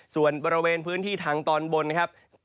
ส่วนบริเวณพื้นที่ทางตอนบนนะครับ